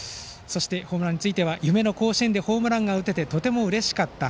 ホームランについては夢の甲子園球場でホームランが打てて本当にうれしかった。